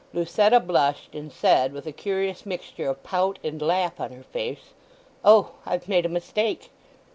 Lucetta blushed, and said with a curious mixture of pout and laugh on her face—"O, I've made a mistake!"